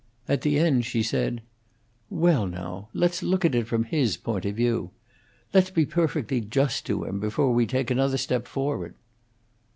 At the end she said: "Well, now, let's look at it from his point of view. Let's be perfectly just to him before we take another step forward."